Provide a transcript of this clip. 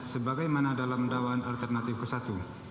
sebagaimana dalam dakwaan alternatif ke satu